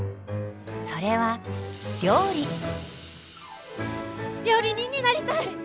それは料理人になりたい！